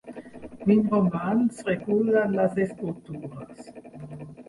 Quin romanç recullen les escultures?